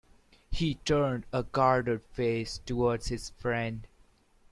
He turned a guarded face towards his friend.